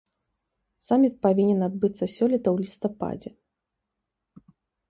Саміт павінен адбыцца сёлета ў лістападзе.